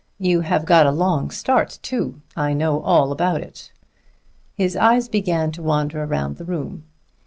You have got a long start, too I know all about it." His eyes began to wander round the room.